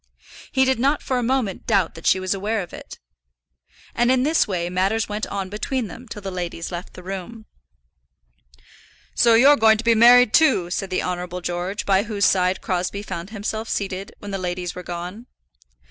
He did not for a moment doubt that she was aware of it. And in this way matters went on between them till the ladies left the room. "So you're going to be married, too," said the Honourable George, by whose side Crosbie found himself seated when the ladies were gone.